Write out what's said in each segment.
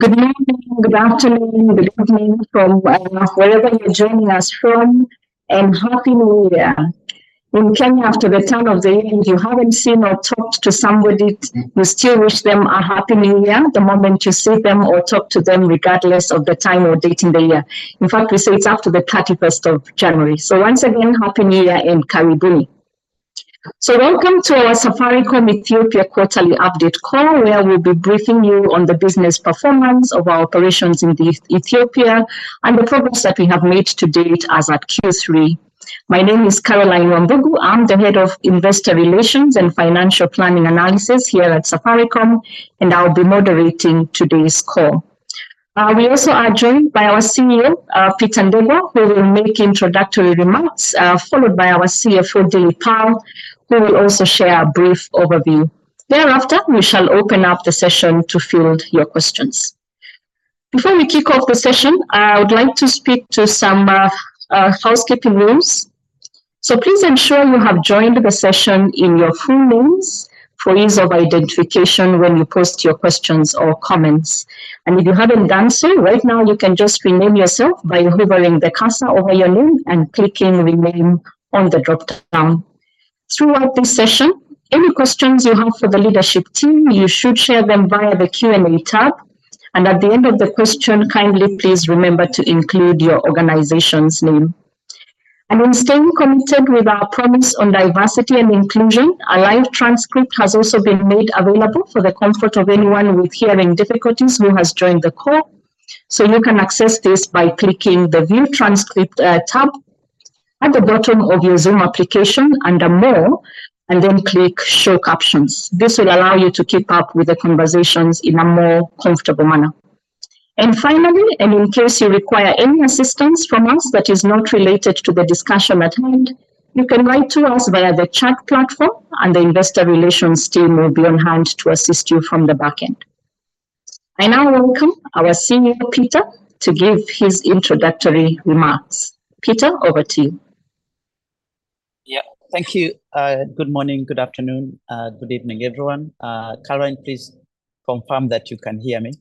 Good morning, good afternoon, good evening from wherever you're joining us from, and Happy New Year. In Kenya, after the turn of the year, if you haven't seen or talked to somebody, you still wish them a Happy New Year the moment you see them or talk to them, regardless of the time or date in the year. In fact, we say it's up to the thirty-first of January. So once again, Happy New Year and karibu. So welcome to our Safaricom Ethiopia quarterly update call, where we'll be briefing you on the business performance of our operations in Ethiopia and the progress that we have made to date as at Q3. My name is Caroline Wambugu. I'm the Head of Investor Relations and Financial Planning Analysis here at Safaricom, and I'll be moderating today's call. We also are joined by our CEO, Peter Ndegwa, who will make introductory remarks, followed by our CFO, Dilip Pal, who will also share a brief overview. Thereafter, we shall open up the session to field your questions. Before we kick off the session, I would like to speak to some housekeeping rules. Please ensure you have joined the session in your full names for ease of identification when you post your questions or comments. If you haven't done so, right now, you can just rename yourself by hovering the cursor over your name and clicking rename on the dropdown. Throughout this session, any questions you have for the leadership team, you should share them via the Q&A tab, and at the end of the question, kindly please remember to include your organization's name. In staying committed with our promise on diversity and inclusion, a live transcript has also been made available for the comfort of anyone with hearing difficulties who has joined the call. You can access this by clicking the View Transcript tab at the bottom of your Zoom application under More, and then click Show Captions. This will allow you to keep up with the conversations in a more comfortable manner. And finally, and in case you require any assistance from us that is not related to the discussion at hand, you can write to us via the chat platform, and the investor relations team will be on hand to assist you from the back end. I now welcome our CEO, Peter, to give his introductory remarks. Peter, over to you. Yeah. Thank you. Good morning, good afternoon, good evening, everyone. Caroline, please confirm that you can hear me.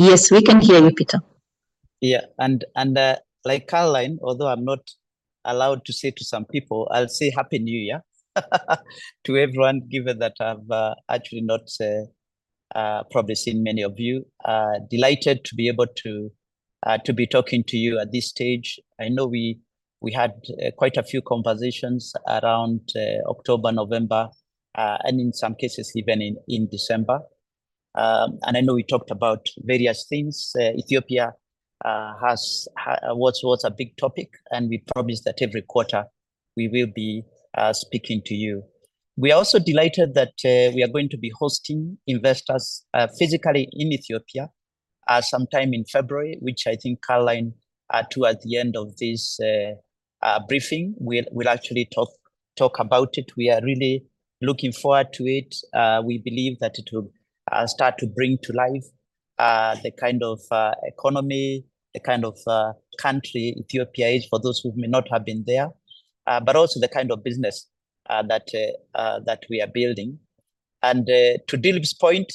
Yes, we can hear you, Peter. Yeah, and, and, like Caroline, although I'm not allowed to say to some people, I'll say Happy New Year to everyone, given that I've, actually not, probably seen many of you. Delighted to be able to, to be talking to you at this stage. I know we, we had, quite a few conversations around, October, November, and in some cases even in, in December. And I know we talked about various things. Ethiopia, was a big topic, and we promised that every quarter we will be, speaking to you. We're also delighted that, we are going to be hosting investors, physically in Ethiopia, sometime in February, which I think Caroline, too, at the end of this, briefing, will, actually talk about it. We are really looking forward to it. We believe that it will start to bring to life the kind of economy, the kind of country Ethiopia is, for those who may not have been there, but also the kind of business that that we are building. And to Dilip's point,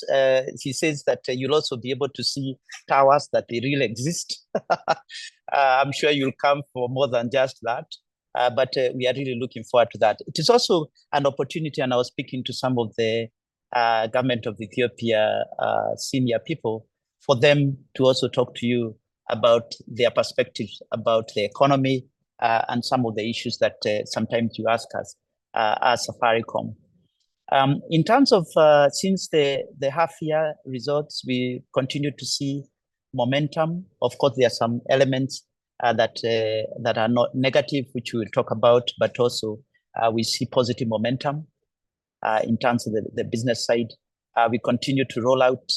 he says that you'll also be able to see towers, that they really exist. I'm sure you'll come for more than just that, but we are really looking forward to that. It is also an opportunity, and I was speaking to some of the government of Ethiopia senior people, for them to also talk to you about their perspectives about the economy, and some of the issues that sometimes you ask us as Safaricom. In terms of, since the half-year results, we continue to see momentum. Of course, there are some elements that are not negative, which we'll talk about, but also, we see positive momentum in terms of the business side. We continue to roll out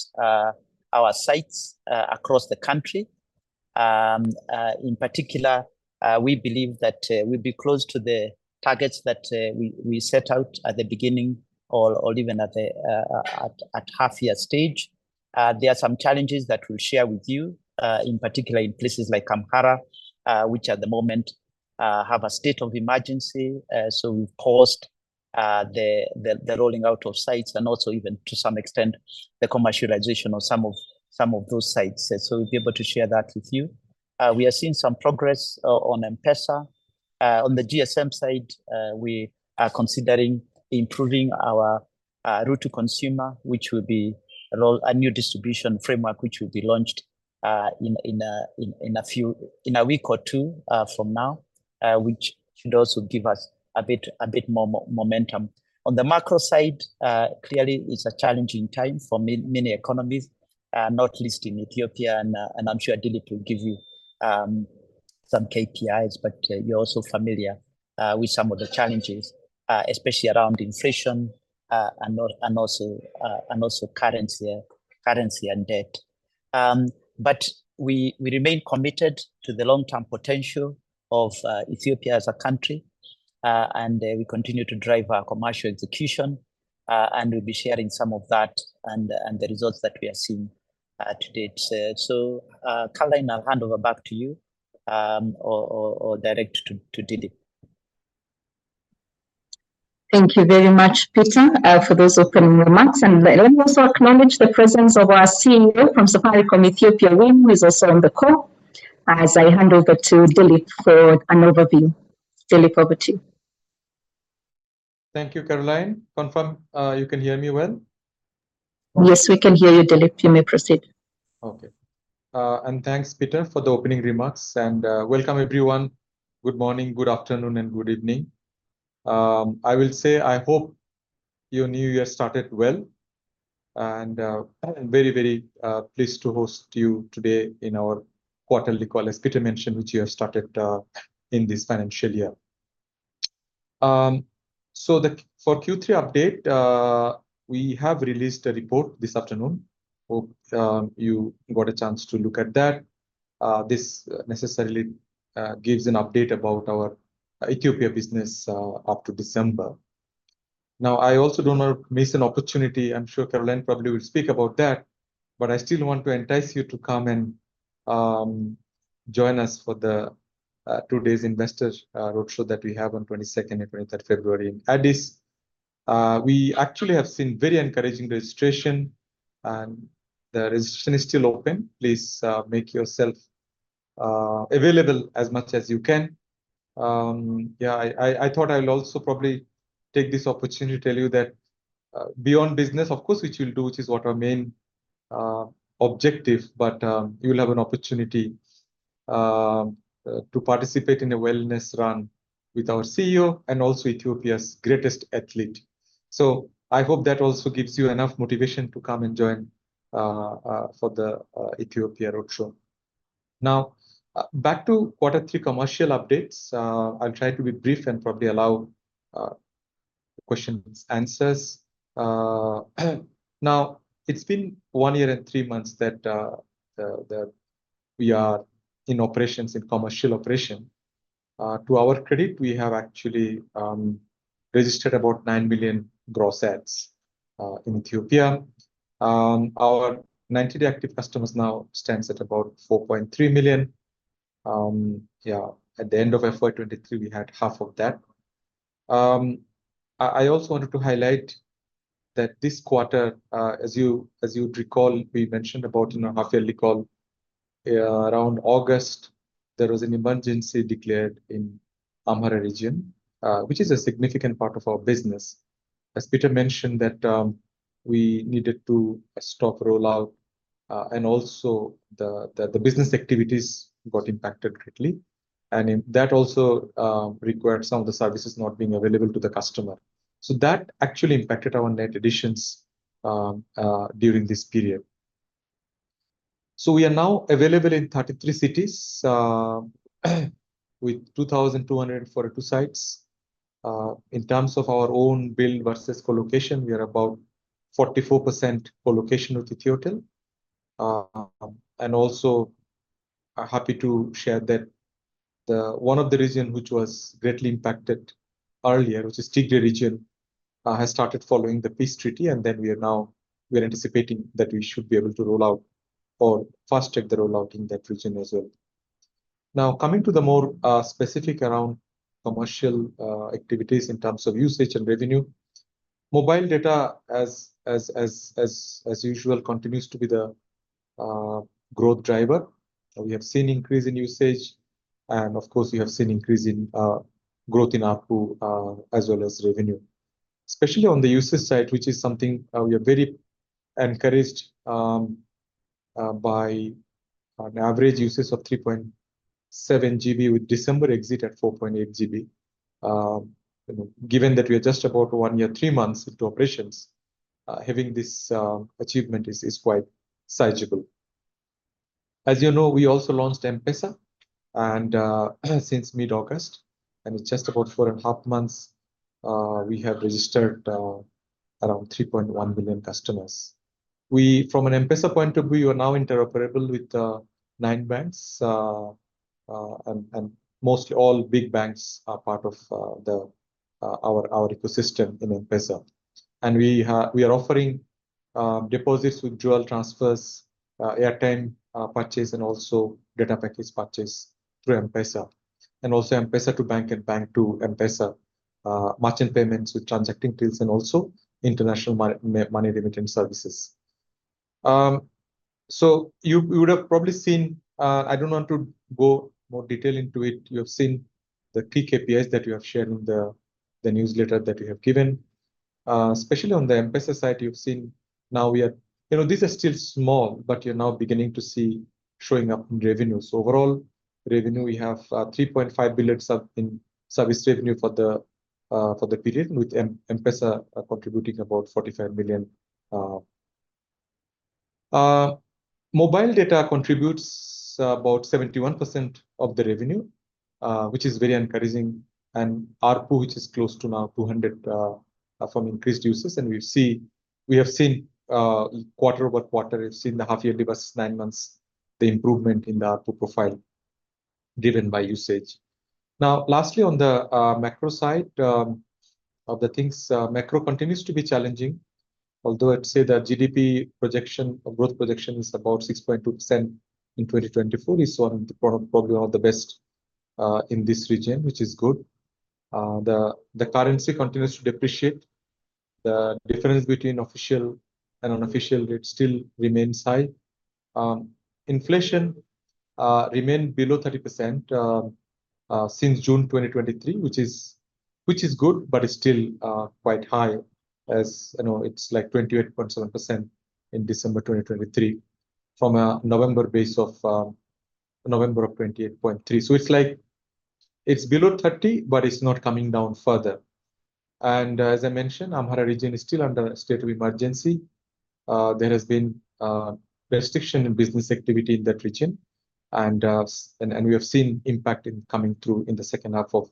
our sites across the country. In particular, we believe that we'll be close to the targets that we set out at the beginning or even at the half-year stage. There are some challenges that we'll share with you, in particular in places like Amhara, which at the moment have a state of emergency. So we've paused the rolling out of sites and also even to some extent, the commercialization of some of those sites. So we'll be able to share that with you. We are seeing some progress on M-PESA. On the GSM side, we are considering improving our route to consumer, which will be a new distribution framework, which will be launched in a week or two from now, which should also give us a bit more momentum. On the macro side, clearly, it's a challenging time for many economies, not least in Ethiopia, and I'm sure Dilip will give you some KPIs, but you're also familiar with some of the challenges, especially around inflation, and also currency and debt. But we remain committed to the long-term potential of Ethiopia as a country, and we continue to drive our commercial execution, and we'll be sharing some of that and the results that we are seeing to date. So, Caroline, I'll hand over back to you, or direct to Dilip. Thank you very much, Peter, for those opening remarks. Let me also acknowledge the presence of our CEO from Safaricom Ethiopia, who is also on the call, as I hand over to Dilip for an overview. Dilip, over to you. Thank you, Caroline. Confirm, you can hear me well? Yes, we can hear you, Dilip. You may proceed. Okay. And thanks, Peter, for the opening remarks, and welcome everyone. Good morning, good afternoon, and good evening. I will say I hope your new year started well, and I'm very, very pleased to host you today in our quarterly call, as Peter mentioned, which we have started in this financial year. For Q3 update, we have released a report this afternoon. Hope you got a chance to look at that. This necessarily gives an update about our Ethiopia business up to December. Now, I also do not want to miss an opportunity, I'm sure Caroline probably will speak about that, but I still want to entice you to come and join us for the two days investors roadshow that we have on 22nd and 23rd February in Addis. We actually have seen very encouraging registration, and the registration is still open. Please, make yourself available as much as you can. Yeah, I thought I'll also probably take this opportunity to tell you that, beyond business, of course, which we'll do, which is our main objective, but you will have an opportunity to participate in a wellness run with our CEO and also Ethiopia's greatest athlete. So I hope that also gives you enough motivation to come and join for the Ethiopia roadshow. Now, back to Quarter 3 commercial updates. I'll try to be brief and probably allow questions, answers. Now, it's been 1 year and 3 months that we are in operations, in commercial operation. To our credit, we have actually registered about 9 million gross adds in Ethiopia. Our 90-day active customers now stands at about 4.3 million. Yeah, at the end of FY 2023, we had half of that. I also wanted to highlight that this quarter, as you'd recall, we mentioned about in our half-yearly call around August, there was an emergency declared in Amhara region, which is a significant part of our business. As Peter mentioned, that we needed to stop rollout and also the business activities got impacted greatly. That also required some of the services not being available to the customer. So that actually impacted our net additions during this period. So we are now available in 33 cities with 2,242 sites. In terms of our own build versus co-location, we are about 44% co-location with Ethio Tel. Happy to share that one of the regions which was greatly impacted earlier, which is Tigray region, has started following the peace treaty, and we are anticipating that we should be able to roll out or fast-track the rollout in that region as well. Now, coming to the more specific around commercial activities in terms of usage and revenue. Mobile data, as usual, continues to be the growth driver. We have seen increase in usage, and of course, we have seen increase in growth in ARPU as well as revenue. Especially on the usage side, which is something we are very encouraged by an average usage of 3.7 GB, with December exit at 4.8 GB. Given that we are just about one year, three months into operations, having this achievement is quite sizable. As you know, we also launched M-PESA, and since mid-August, and it's just about 4.5 months, we have registered around 3.1 million customers. We, from an M-PESA point of view, we are now interoperable with nine banks, and mostly all big banks are part of our ecosystem in M-PESA. And we have... We are offering deposits with dual transfers, airtime purchase, and also data package purchase through M-PESA, and also M-PESA to bank and bank to M-PESA, merchant payments with transacting tills, and also international money remittance services. So you would have probably seen, I don't want to go more detail into it. You have seen the key KPIs that we have shared in the newsletter that we have given. Especially on the M-PESA side, you've seen now we are... You know, these are still small, but you're now beginning to see showing up in revenues. Overall revenue, we have 3.5 billion in service revenue for the period, with M-PESA contributing about 45 million. Mobile data contributes about 71% of the revenue, which is very encouraging, and ARPU, which is close to now 200 from increased usage. And we have seen quarter-over-quarter, we've seen the half year give us nine months, the improvement in the ARPU profile driven by usage. Now, lastly, on the macro side of the things, macro continues to be challenging, although I'd say that GDP projection or growth projection is about 6.2% in 2024, is one of the probably one of the best in this region, which is good. The currency continues to depreciate. The difference between official and unofficial rate still remains high. Inflation remained below 30%, since June 2023, which is good, but it's still quite high, as you know, it's like 28.7% in December 2023 from a November base of November of 28.3%. So it's like it's below 30%, but it's not coming down further. As I mentioned, Amhara region is still under a state of emergency. There has been restriction in business activity in that region, and we have seen impact coming through in the second half of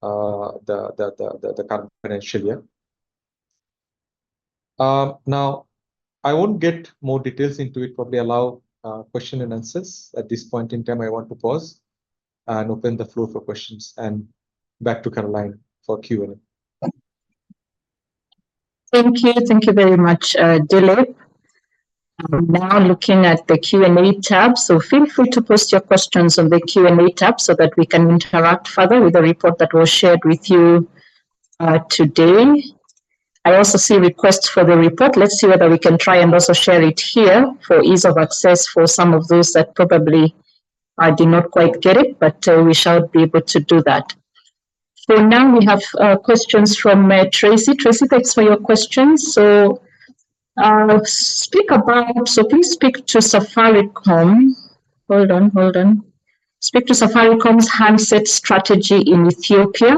the current financial year. Now I won't get more details into it. Probably allow question and answers at this point in time. I want to pause and open the floor for questions, and back to Caroline for Q&A. Thank you. Thank you very much, Dilip. I'm now looking at the Q&A tab, so feel free to post your questions on the Q&A tab so that we can interact further with the report that was shared with you, today. I also see requests for the report. Let's see whether we can try and also share it here for ease of access for some of those that probably, did not quite get it, but, we shall be able to do that. So now we have, questions from, Tracy. Tracy, thanks for your questions. So, speak about... So please speak to Safaricom. Hold on, hold on. Speak to Safaricom's handset strategy in Ethiopia,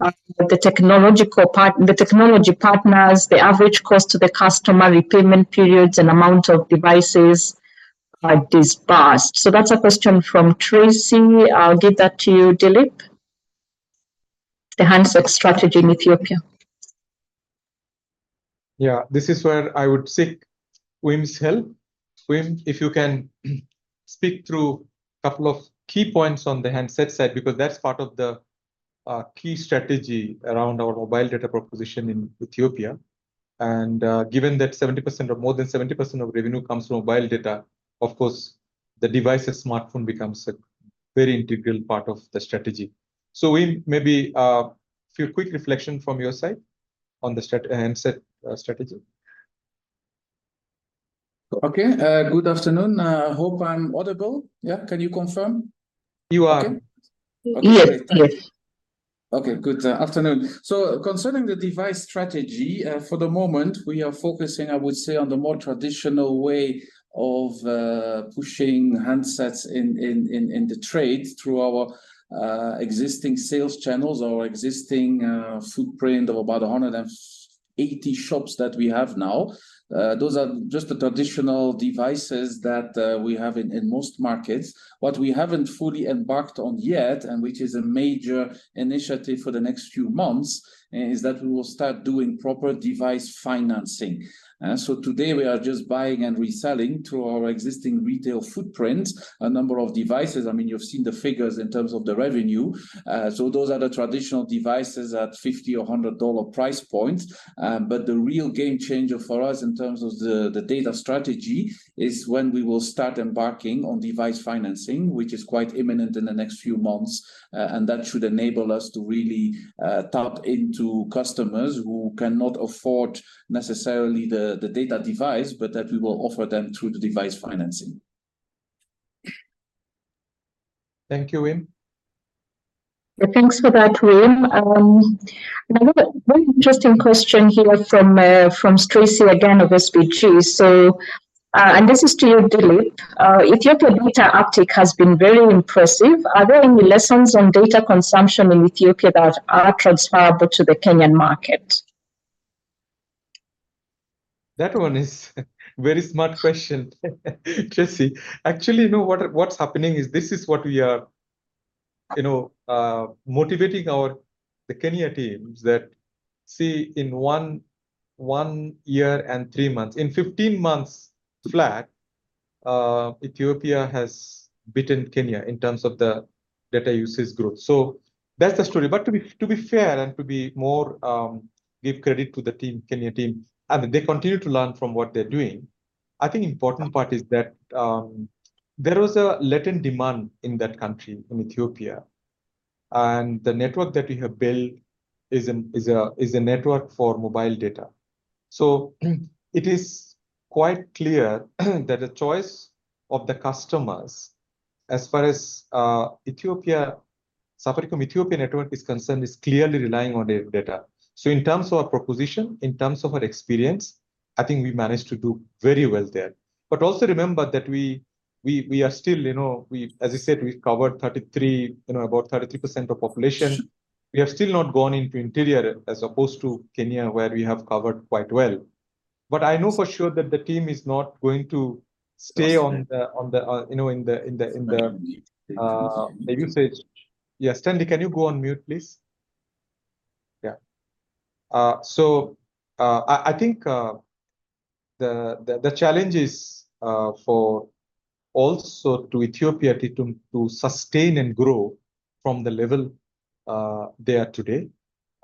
the technological part, the technology partners, the average cost to the customer, repayment periods, and amount of devices, disbursed. So that's a question from Tracy. I'll give that to you, Dilip. The handset strategy in Ethiopia. Yeah, this is where I would seek Wim's help. Wim, if you can speak through a couple of key points on the handset side, because that's part of the key strategy around our mobile data proposition in Ethiopia. And given that 70% or more than 70% of revenue comes from mobile data, of course, the device's smartphone becomes a very integral part of the strategy. So Wim, maybe a few quick reflections from your side on the handset strategy. Okay. Good afternoon. I hope I'm audible. Yeah, can you confirm? You are. Okay. Yes. Yes. Okay, good afternoon. So concerning the device strategy, for the moment, we are focusing, I would say, on the more traditional way of pushing handsets in the trade through our existing sales channels, our existing footprint of about 180 shops that we have now. Those are just the traditional devices that we have in most markets. What we haven't fully embarked on yet, and which is a major initiative for the next few months, is that we will start doing proper device financing. So today, we are just buying and reselling through our existing retail footprint, a number of devices. I mean, you've seen the figures in terms of the revenue. So those are the traditional devices at $50 or $100 price points. But the real game changer for us in terms of the data strategy is when we will start embarking on device financing, which is quite imminent in the next few months. And that should enable us to really tap into customers who cannot afford necessarily the data device, but that we will offer them through the device financing. Thank you, Wim. Yeah, thanks for that, Wim. Another very interesting question here from from Tracy again, of SBG. So, and this is to you, Dilip. Ethiopia data uptick has been very impressive. Are there any lessons on data consumption in Ethiopia that are transferable to the Kenyan market? That one is very smart question, Tracy. Actually, you know what, what's happening is this is what we are, you know, motivating our, the Kenya teams that, see, in 1 year and 3 months, in 15 months flat, Ethiopia has beaten Kenya in terms of the data usage growth. So that's the story. But to be fair, and to be more, give credit to the team, Kenya team, I mean, they continue to learn from what they're doing. I think important part is that, there was a latent demand in that country, in Ethiopia, and the network that we have built is a network for mobile data. So it is quite clear, that the choice of the customers, as far as, Ethiopia, Safaricom Ethiopia network is concerned, is clearly relying on their data. So in terms of our proposition, in terms of our experience, I think we managed to do very well there. But also remember that we are still, you know, as I said, we've covered 33, you know, about 33% of population. We have still not gone into interior, as opposed to Kenya, where we have covered quite well. But I know for sure that the team is not going to stay on the-... On the, you know, in the, in the, in the, the usage. Yes, Stanley, can you go on mute, please? Yeah. So, I think the challenge is for also to Ethiopia to sustain and grow from the level they are today.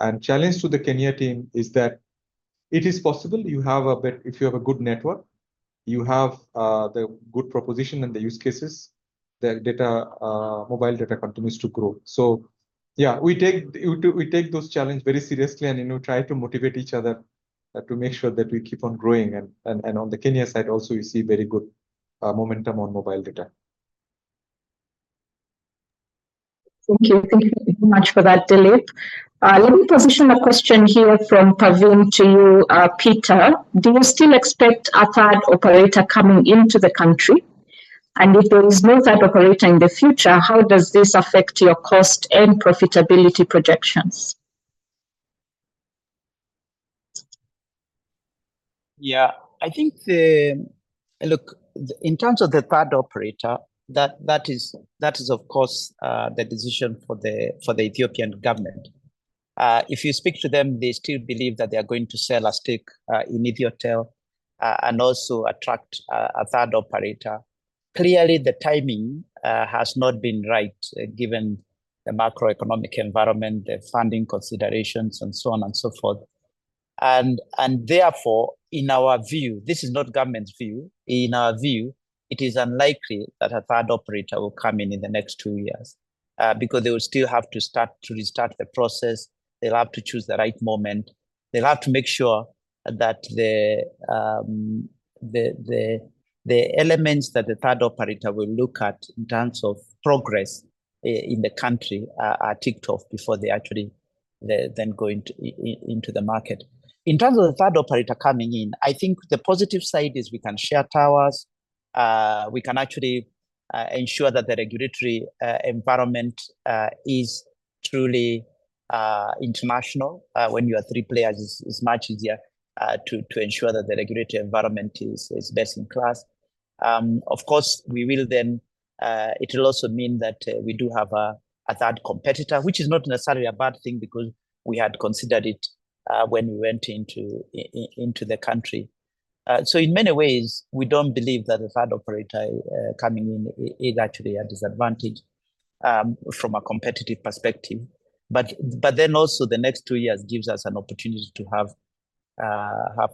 And challenge to the Kenya team is that it is possible you have a bit—if you have a good network, you have the good proposition and the use cases, the data, mobile data continues to grow. So yeah, we take those challenge very seriously and, you know, try to motivate each other to make sure that we keep on growing. And on the Kenya side also, you see very good momentum on mobile data. Thank you. Thank you very much for that, Dilip. Let me position a question here from Parin to you, Peter. Do you still expect a third operator coming into the country? And if there is no third operator in the future, how does this affect your cost and profitability projections? Yeah. I think, look, in terms of the third operator, that is, of course, the decision for the Ethiopian government. If you speak to them, they still believe that they are going to sell a stake in Ethio Tel and also attract a third operator. Clearly, the timing has not been right, given the macroeconomic environment, the funding considerations, and so on and so forth. And therefore, in our view, this is not government's view, in our view, it is unlikely that a third operator will come in in the next two years. Because they will still have to start to restart the process. They'll have to choose the right moment. They'll have to make sure that the elements that the third operator will look at in terms of progress in the country are ticked off before they actually, they then go into the market. In terms of the third operator coming in, I think the positive side is we can share towers. We can actually ensure that the regulatory environment is truly international. When you are three players, it's much easier to ensure that the regulatory environment is best in class. Of course, we will then... It will also mean that we do have a third competitor, which is not necessarily a bad thing, because we had considered it when we went into the country. So in many ways, we don't believe that a third operator coming in is actually a disadvantage from a competitive perspective. But then also the next two years gives us an opportunity to have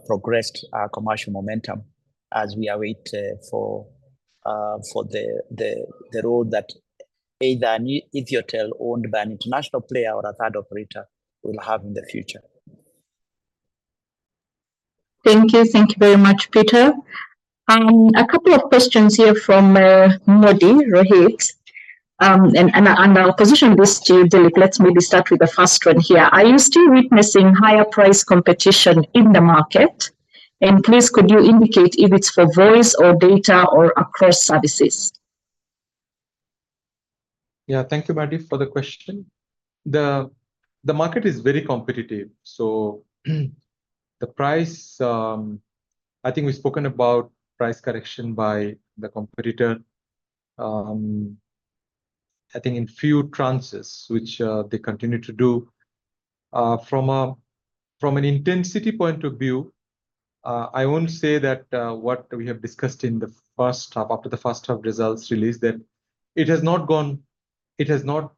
progressed our commercial momentum as we await for the role that either an Ethio Tel, owned by an international player or a third operator will have in the future. Thank you. Thank you very much, Peter. A couple of questions here from Rohit Modi. And I'll position this to you, Dilip. Let's maybe start with the first one here. Are you still witnessing higher price competition in the market? And please, could you indicate if it's for voice or data or across services? Yeah. Thank you, Modi, for the question. The market is very competitive, so the price. I think we've spoken about price correction by the competitor. I think in few tranches, which they continue to do. From an intensity point of view, I won't say that what we have discussed in the first half, after the first half results release, that it has not gone, it has not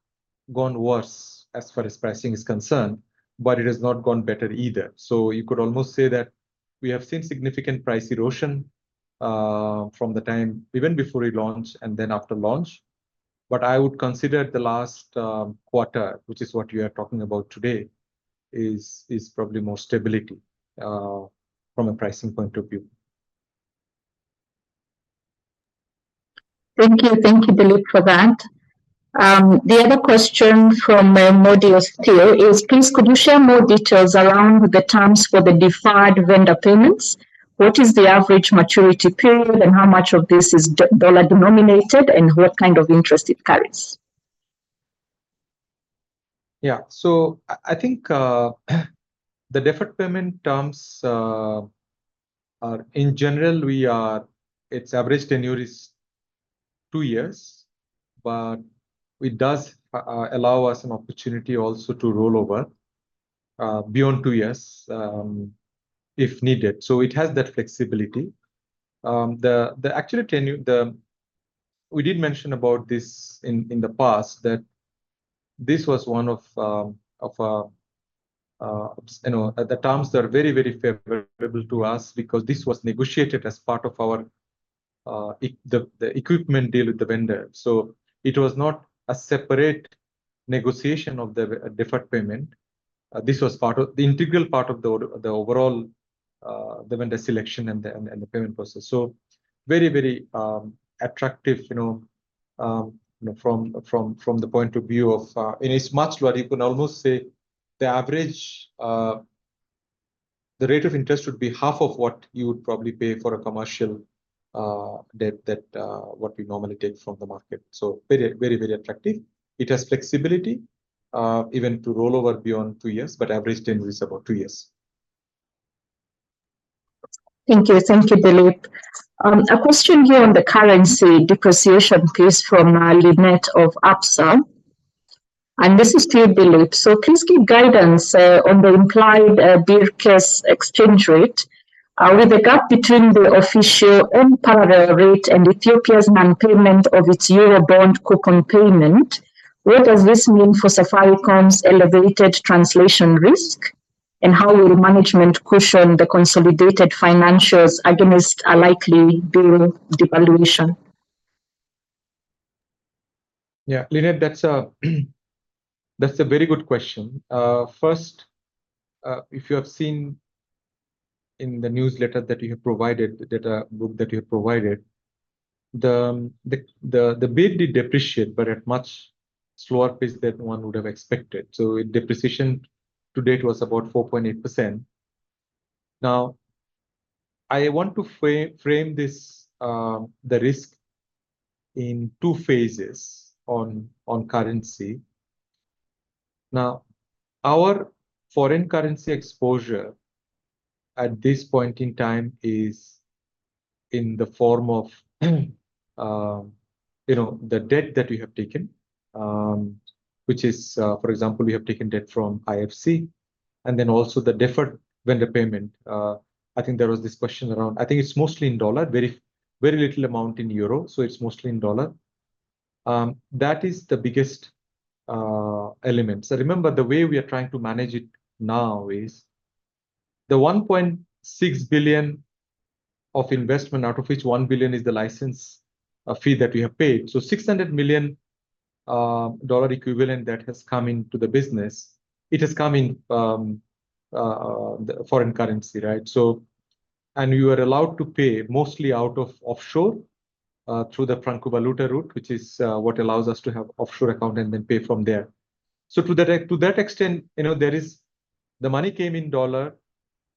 gone worse as far as pricing is concerned, but it has not gone better either. So you could almost say that we have seen significant price erosion, from the time even before we launched and then after launch. But I would consider the last quarter, which is what we are talking about today, is probably more stability, from a pricing point of view. Thank you. Thank you, Dilip, for that. The other question from Modi still is: please, could you share more details around the terms for the deferred vendor payments? What is the average maturity period, and how much of this is dollar-denominated, and what kind of interest it carries? Yeah. So I think the deferred payment terms are, in general, its average tenure is 2 years, but it does allow us an opportunity also to roll over beyond 2 years, if needed. So it has that flexibility. The actual tenure. We did mention about this in the past, that this was one of the terms you know that are very, very favorable to us because this was negotiated as part of our equipment deal with the vendor. So it was not a separate negotiation of the deferred payment. This was part of the integral part of the overall vendor selection and the payment process. So very, very attractive, you know, you know, from the point of view of. It's much lower. You can almost say the average rate of interest would be half of what you would probably pay for a commercial debt that what we normally take from the market. So very, very, very attractive. It has flexibility, even to roll over beyond 2 years, but average tenure is about 2 years. Thank you. Thank you, Dilip. A question here on the currency depreciation case from Lynette of Absa. And this is to Dilip. So please give guidance on the implied D-KES exchange rate. With the gap between the official and parallel rate and Ethiopia's non-payment of its Eurobond coupon payment, what does this mean for Safaricom's elevated translation risk? And how will management cushion the consolidated financials against a likely Birr devaluation? Yeah, Lynette, that's a very good question. First, if you have seen in the newsletter that you have provided, the data book that you have provided, the birr did depreciate, but at much slower pace than one would have expected. So depreciation to date was about 4.8%. Now, I want to frame this, the risk in two phases on currency. Now, our foreign currency exposure at this point in time is in the form of, you know, the debt that we have taken, which is, for example, we have taken debt from IFC, and then also the deferred vendor payment. I think there was this question around... I think it's mostly in dollar, very, very little amount in euro, so it's mostly in dollar. That is the biggest element. So remember, the way we are trying to manage it now is the $1.6 billion of investment, out of which $1 billion is the license fee that we have paid. So $600 million dollar equivalent that has come into the business, it has come in the foreign currency, right? So, and we were allowed to pay mostly out of offshore through the Franco Valuta route, which is what allows us to have offshore account and then pay from there. So to that extent, you know, there is... The money came in dollar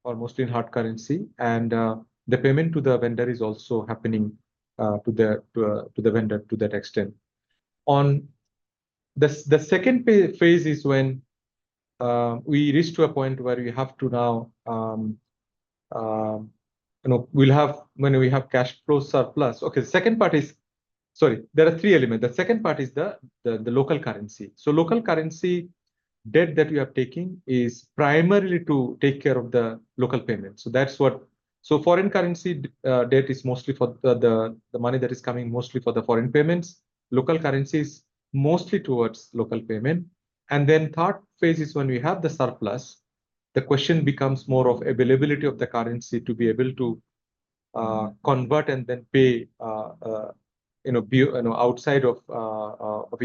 or mostly in hard currency, and the payment to the vendor is also happening to the vendor to that extent. On the second phase is when we reach to a point where we have to now, you know, when we have cash flow surplus. Okay, the second part is... Sorry, there are three elements. The second part is the local currency. So local currency debt that we are taking is primarily to take care of the local payments. So that's what. So foreign currency debt is mostly for the money that is coming mostly for the foreign payments. Local currency is mostly towards local payment. And then third phase is when we have the surplus, the question becomes more of availability of the currency to be able to convert and then pay, you know, be outside of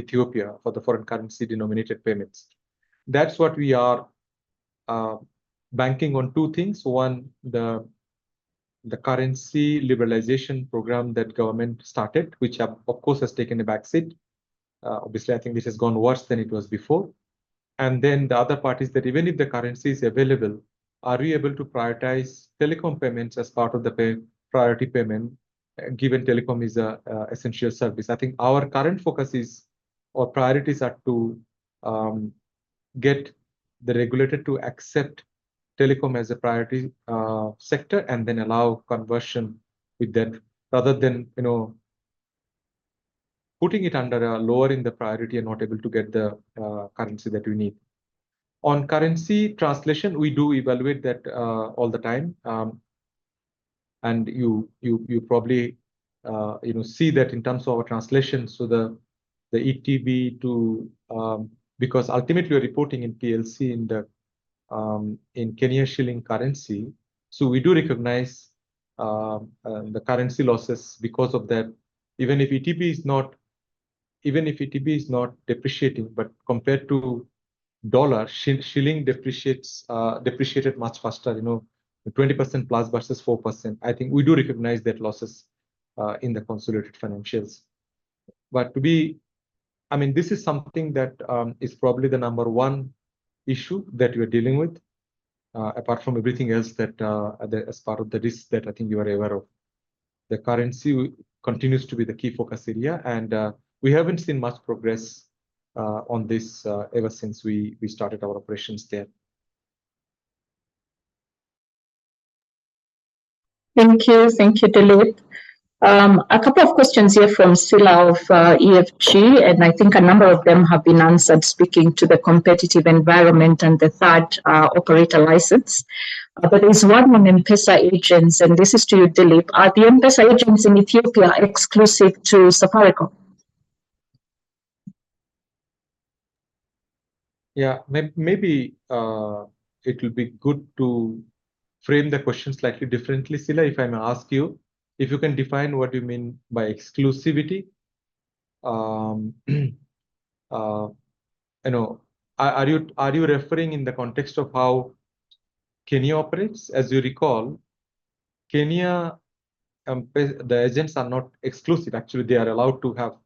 Ethiopia for the foreign currency-denominated payments. That's what we are banking on two things. One, the currency liberalization program that government started, which have, of course, has taken a back seat. Obviously, I think this has gone worse than it was before. And then the other part is that even if the currency is available, are we able to prioritize telecom payments as part of the pay, priority payment, given telecom is a essential service? I think our current focus is, or priorities are to get the regulator to accept telecom as a priority sector, and then allow conversion with that, rather than, you know, putting it under lowering the priority and not able to get the currency that we need. On currency translation, we do evaluate that all the time. And you probably, you know, see that in terms of our translation, so the, the ETB to... Because ultimately, we're reporting in PLC, in the, in Kenyan shilling currency. So we do recognize the currency losses because of the- even if ETB is not, even if ETB is not depreciating, but compared to dollar, shilling depreciated much faster, you know, 20% plus versus 4%. I think we do recognize that losses in the consolidated financials. But to be- I mean, this is something that is probably the number one issue that we are dealing with, apart from everything else that, the, as part of the risk that I think you are aware of. The currency continues to be the key focus area, and we haven't seen much progress on this ever since we started our operations there. Thank you. Thank you, Dilip. A couple of questions here from Sila of EFG, and I think a number of them have been answered, speaking to the competitive environment and the third operator license. But there's one on M-PESA agents, and this is to you, Dilip. Are the M-PESA agents in Ethiopia exclusive to Safaricom? Yeah. Maybe it will be good to frame the question slightly differently, Sila. If I may ask you, if you can define what you mean by exclusivity? You know, are you referring in the context of how Kenya operates? As you recall, Kenya, the agents are not exclusive. Actually, they are allowed to have,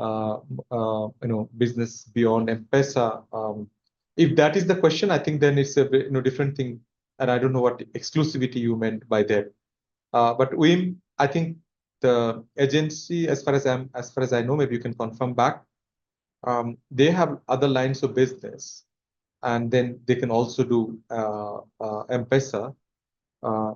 you know, business beyond M-PESA. If that is the question, I think then it's a very different thing, and I don't know what exclusivity you meant by that. But we, I think the agency, as far as I know, maybe you can confirm back, they have other lines of business, and then they can also do M-PESA.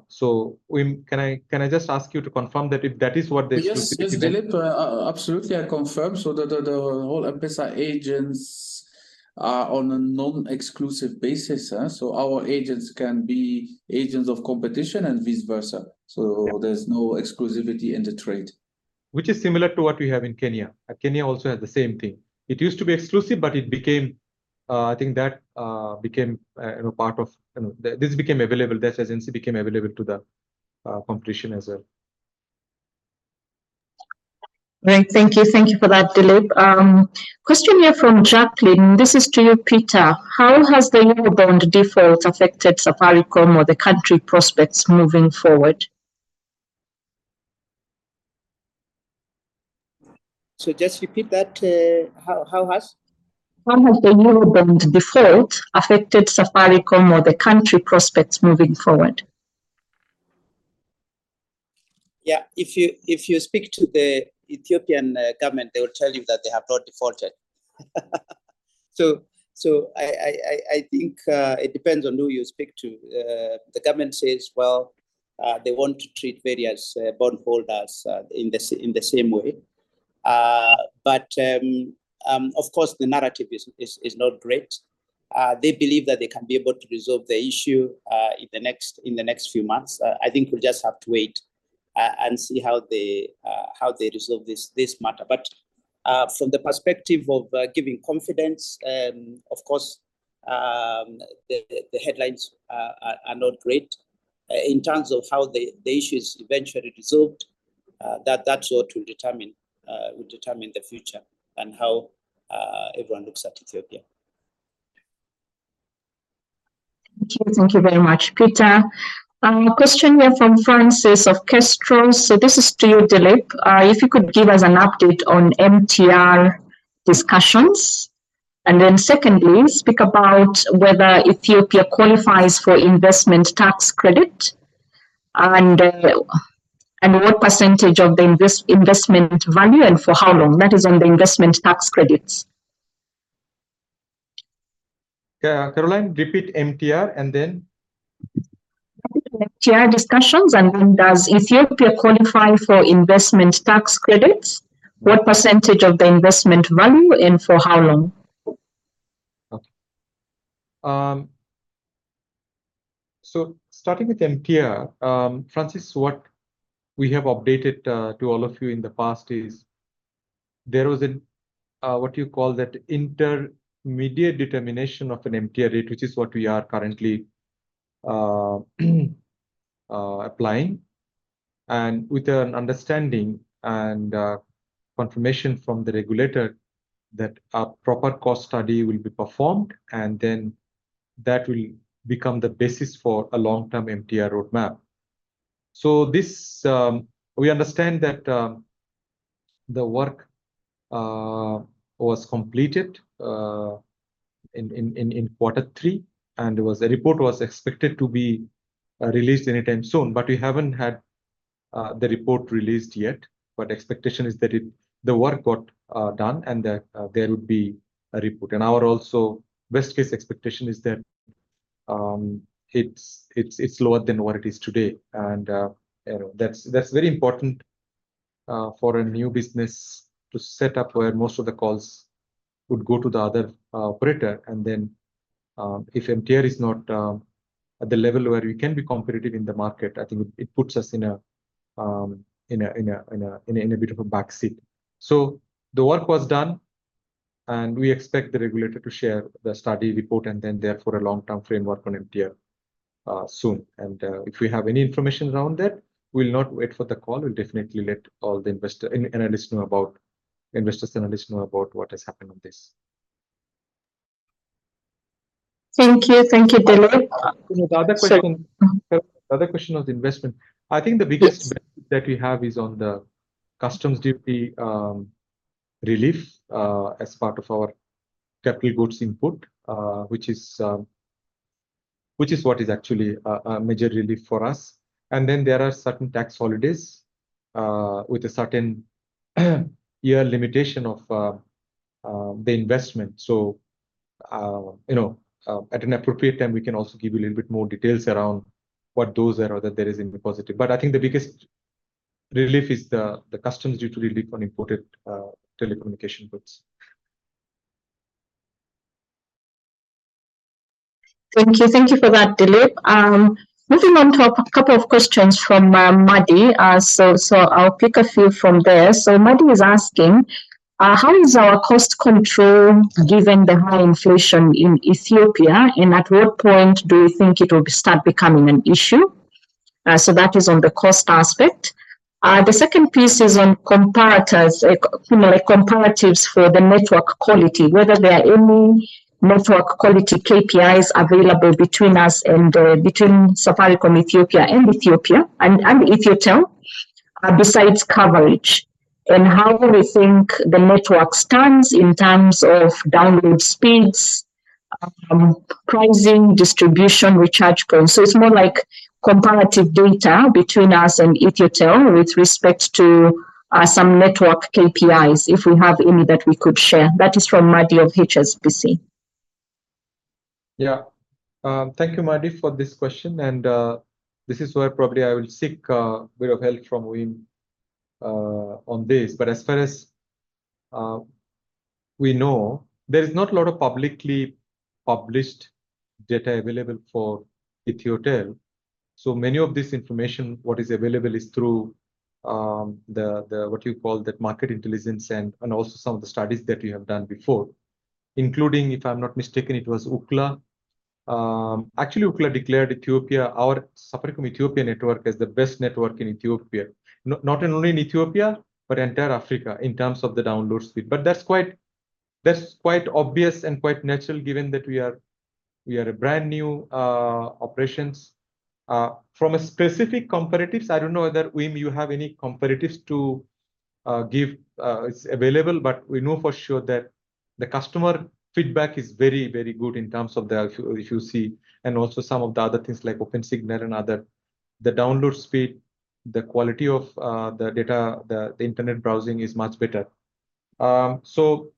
So, Wim, can I just ask you to confirm that if that is what the exclusivity- Yes, yes, Dilip, absolutely, I confirm. So the whole M-PESA agents are on a non-exclusive basis, so our agents can be agents of competition and vice versa. Yeah. There's no exclusivity in the trade. Which is similar to what we have in Kenya. Kenya also has the same thing. It used to be exclusive, but it became, I think that became, you know, part of- you know, this became available. This agency became available to the competition as well. Great. Thank you. Thank you for that, Dilip. Question here from Jacqueline. This is to you, Peter. How has the Eurobond default affected Safaricom or the country's prospects moving forward? Just repeat that, how has? How has the Eurobond default affected Safaricom or the country prospects moving forward? Yeah. If you, if you speak to the Ethiopian government, they will tell you that they have not defaulted. So I think it depends on who you speak to. The government says they want to treat various bondholders in the same way. But of course, the narrative is not great. They believe that they can be able to resolve the issue in the next few months. I think we'll just have to wait and see how they resolve this matter. But from the perspective of giving confidence, of course, the headlines are not great. In terms of how the issue is eventually resolved, that's what will determine the future and how everyone looks at Ethiopia. Thank you. Thank you very much, Peter. A question here from Francis of Kestrel. So this is to you, Dilip. If you could give us an update on MTR discussions, and then secondly, speak about whether Ethiopia qualifies for investment tax credit, and what percentage of the investment value and for how long? That is on the investment tax credits. Caroline, repeat MTR, and then? MTR discussions, and then does Ethiopia qualify for investment tax credits? What percentage of the investment value, and for how long? Okay. So starting with MTR, Francis, what we have updated to all of you in the past is there was an what you call that intermediate determination of an MTR rate, which is what we are currently applying, and with an understanding and confirmation from the regulator that a proper cost study will be performed, and then that will become the basis for a long-term MTR roadmap. So this... We understand that the work was completed in quarter three, and there was a report was expected to be released anytime soon, but we haven't had the report released yet. But expectation is that it, the work got done and that there would be a report. And our also best-case expectation is that it's lower than what it is today. You know, that's very important for a new business to set up where most of the calls would go to the other operator. And then, if MTR is not at the level where we can be competitive in the market, I think it puts us in a bit of a backseat. So the work was done, and we expect the regulator to share the study report, and then therefore, a long-term framework on MTR soon. And, if we have any information around that, we'll not wait for the call. We'll definitely let all the investors and analysts know about what has happened on this. Thank you. Thank you, Dilip. The other question- Sorry. Mm-hmm. The other question was investment. Yes. I think the biggest benefit that we have is on the customs duty relief, as part of our capital goods input, which is, which is what is actually a major relief for us. And then there are certain tax holidays, with a certain year limitation of the investment. So, you know, at an appropriate time, we can also give you a little bit more details around what those are or that there is in the positive. But I think the biggest relief is the customs duty relief on imported telecommunication goods. Thank you. Thank you for that, Dilip. Moving on to a couple of questions from Madi. So I'll pick a few from there. So Madi is asking: How is our cost control given the high inflation in Ethiopia, and at what point do you think it will start becoming an issue? So that is on the cost aspect. The second piece is on comparators, you know, like comparatives for the network quality, whether there are any network quality KPIs available between us and Safaricom Ethiopia and Ethio Telecom, besides coverage, and how we think the network stands in terms of download speeds, pricing, distribution, recharge cards. So it's more like comparative data between us and Ethio Telecom with respect to some network KPIs, if we have any that we could share. That is from Madi of HSBC. Yeah. Thank you, Madi, for this question, and this is where probably I will seek a bit of help from Wim, on this. But as far as we know, there is not a lot of publicly published data available for Ethio Telecom. So many of this information, what is available is through the what you call that market intelligence and also some of the studies that we have done before, including, if I'm not mistaken, it was Ookla. Actually, Ookla declared Ethiopia our Safaricom Ethiopia network is the best network in Ethiopia. Not only in Ethiopia, but entire Africa in terms of the download speed. But that's quite, that's quite obvious and quite natural, given that we are a brand new operations. From a specific comparisons, I don't know whether, Wim, you have any comparisons to give is available, but we know for sure that the customer feedback is very, very good in terms of the, if you see, and also some of the other things like OpenSignal and other. The download speed, the quality of the data, the internet browsing is much better. So,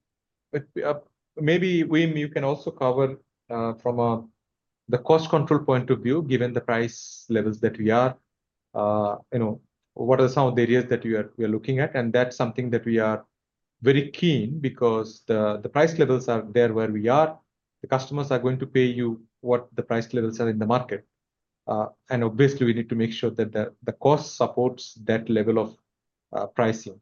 maybe, Wim, you can also cover from the cost control point of view, given the price levels that we are. You know, what are some of the areas that we are looking at? And that's something that we are very keen because the price levels are there where we are. The customers are going to pay you what the price levels are in the market. Obviously, we need to make sure that the cost supports that level of pricing.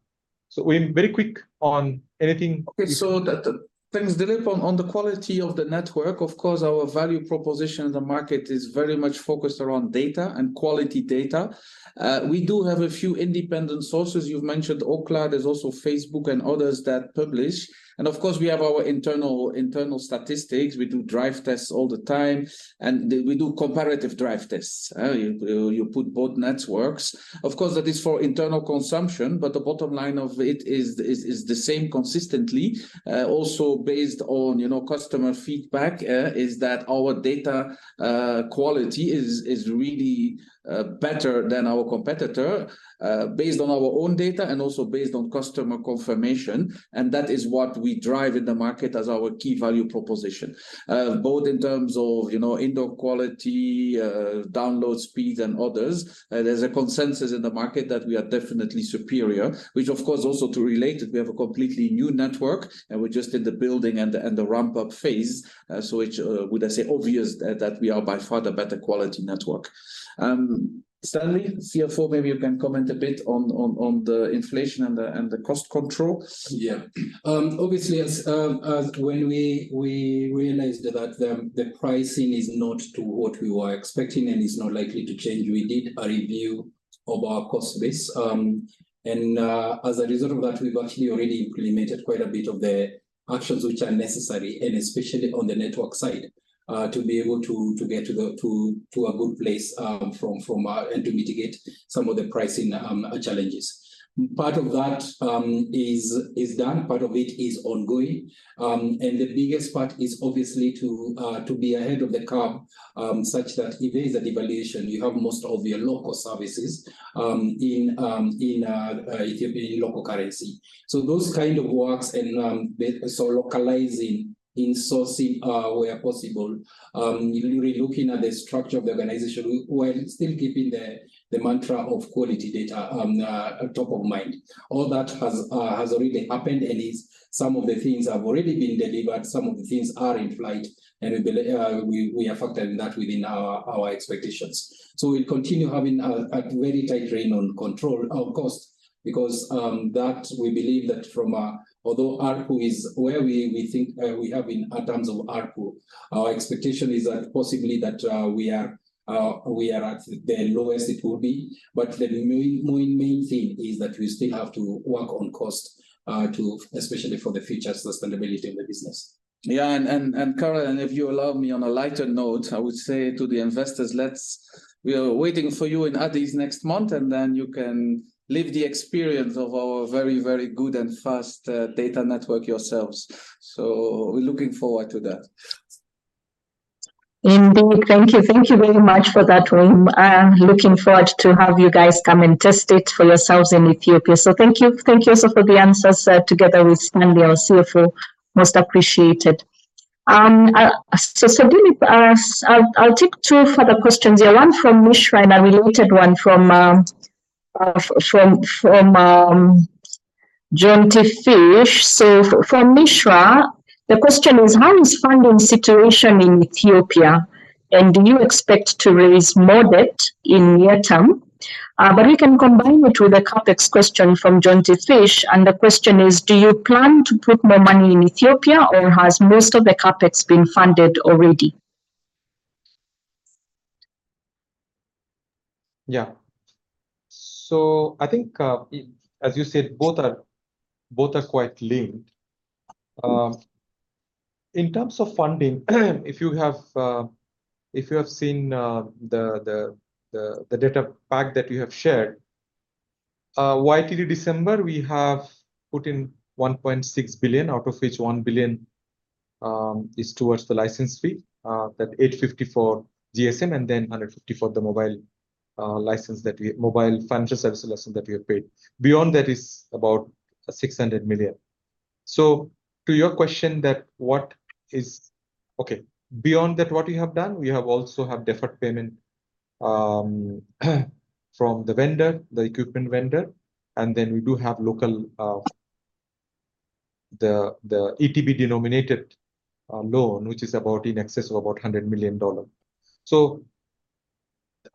So, Wim, very quick on anything- Okay, so the things Dilip, on the quality of the network, of course, our value proposition in the market is very much focused around data and quality data. We do have a few independent sources. You've mentioned Ookla. There's also Facebook and others that publish. And of course, we have our internal statistics. We do drive tests all the time, and we do comparative drive tests, you put both networks. Of course, that is for internal consumption, but the bottom line of it is the same consistently. Also based on, you know, customer feedback, is that our data quality is really better than our competitor, based on our own data and also based on customer confirmation, and that is what we drive in the market as our key value proposition. Both in terms of, you know, indoor quality, download speed, and others. There's a consensus in the market that we are definitely superior, which of course also, to relate it, we have a completely new network, and we're just in the building and the ramp-up phase. So, which would I say, obvious that we are by far the better quality network. Stanley, CFO, maybe you can comment a bit on the inflation and the cost control. Yeah. Obviously, as when we realized that the pricing is not to what we were expecting and is not likely to change, we did a review of our cost base. And as a result of that, we've actually already implemented quite a bit of the actions which are necessary, and especially on the network side, to be able to get to a good place, from our. And to mitigate some of the pricing challenges. Part of that is done, part of it is ongoing. And the biggest part is obviously to be ahead of the curve, such that if there is a devaluation, you have most of your local services in local currency. So those kind of works and, so localizing, insourcing, where possible, even relooking at the structure of the organization, while still keeping the, the mantra of quality data, top of mind. All that has already happened and some of the things have already been delivered, some of the things are in flight, and, we have factored that within our expectations. So we'll continue having a very tight rein on control of cost because, that we believe that from a -- although ARPU is where we think we have been in terms of ARPU, our expectation is that possibly that, we are at the lowest it will be. But the main, main, main thing is that we still have to work on cost, especially for the future sustainability of the business. Yeah, and Kara, if you allow me on a lighter note, I would say to the investors, let's... We are waiting for you in Addis next month, and then you can live the experience of our very, very good and fast data network yourselves. So we're looking forward to that. Indeed. Thank you. Thank you very much for that, Wim. I'm looking forward to have you guys come and test it for yourselves in Ethiopia. So thank you. Thank you also for the answers, together with Stanley, our CFO, most appreciated. Dilip, I'll take two further questions here. One from Mishra and a related one from Jonty Fish. So for Mishra, the question is: How is funding situation in Ethiopia, and do you expect to raise more debt in near term? But we can combine it with a CapEx question from Jonty Fish, and the question is: Do you plan to put more money in Ethiopia, or has most of the CapEx been funded already? Yeah. So I think, as you said, both are, both are quite linked. In terms of funding, if you have seen the data pack that we have shared, YTD December, we have put in $1.6 billion, out of which $1 billion is towards the license fee, that $850 million GSM and then 150 for the mobile financial services license that we have paid. Beyond that is about $600 million. So to your question that what is okay, beyond that, what we have done? We have also have deferred payment from the vendor, the equipment vendor, and then we do have local the ETB-denominated loan, which is about in excess of about $100 million. So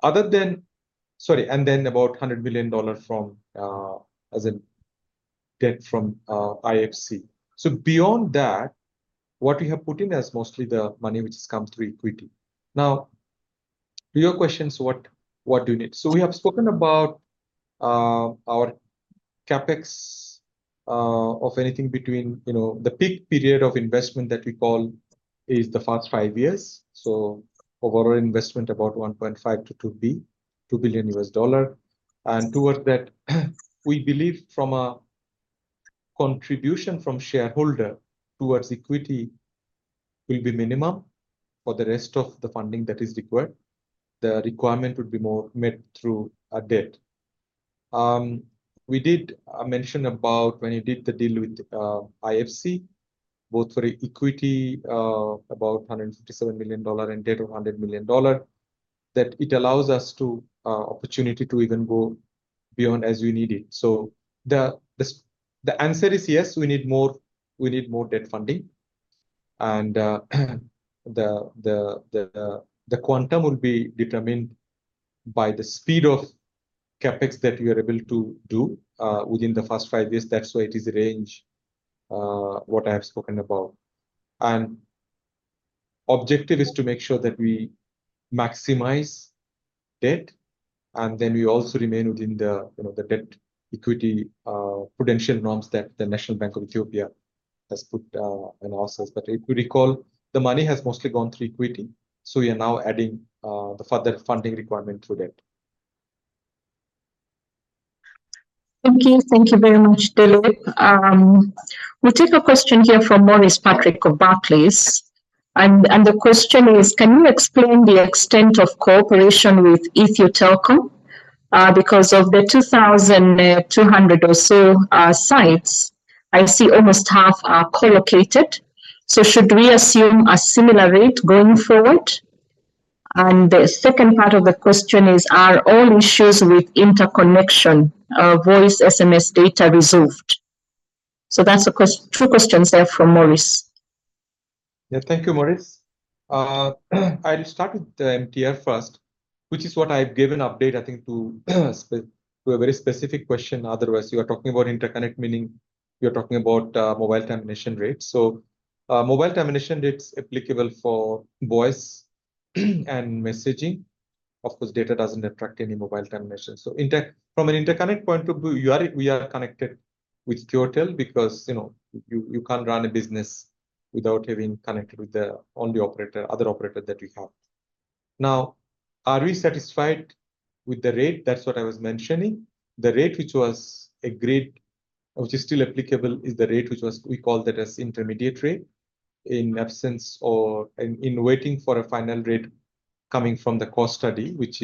other than... Sorry, and then about $100 million from, as in debt from, IFC. So beyond that, what we have put in as mostly the money which has come through equity. Now, to your questions, what, what do you need? So we have spoken about our CapEx of anything between, you know, the peak period of investment that we call is the first five years. So overall investment about $1.5 billion-$2 billion. And towards that, we believe from a contribution from shareholder towards equity will be minimum. For the rest of the funding that is required, the requirement would be more met through a debt. We did mention about when we did the deal with IFC, both for equity about $157 million and debt of $100 million, that it allows us to opportunity to even go beyond as we need it. So the answer is, yes, we need more, we need more debt funding. And the quantum will be determined by the speed of CapEx that we are able to do within the first five years. That's why it is a range what I have spoken about. And objective is to make sure that we maximize debt, and then we also remain within the, you know, the debt equity prudential norms that the National Bank of Ethiopia has put in also. But if you recall, the money has mostly gone through equity, so we are now adding the further funding requirement through debt. Thank you. Thank you very much, Dilip. We take a question here from Maurice Patrick of Barclays, and the question is: Can you explain the extent of cooperation with Ethio Telecom? Because of the 2,200 or so sites, I see almost half are collocated. So should we assume a similar rate going forward? And the second part of the question is: Are all issues with interconnection of voice, SMS, data resolved? So that's two questions there from Maurice. Yeah. Thank you, Maurice. I'll start with the MTR first, which is what I've given update, I think, to a very specific question. Otherwise, you are talking about interconnect, meaning you're talking about mobile termination rates. So, mobile termination rates applicable for voice and messaging. Of course, data doesn't attract any mobile termination. So, from an interconnect point of view, you are, we are connected with Ethio Telecom because, you know, you can't run a business without having connected with the on the operator, other operator that we have. Now, are we satisfied with the rate? That's what I was mentioning. The rate which was agreed, which is still applicable, is the rate which was... We call that as intermediate rate, in absence or in waiting for a final rate coming from the cost study, which